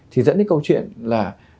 thì dẫn đến câu chuyện là